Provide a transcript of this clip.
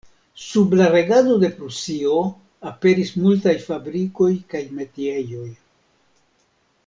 Sub la regado de Prusio aperis multaj fabrikoj kaj metiejoj.